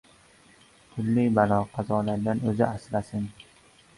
Turli balo-qazolardan oʻzi asrasin.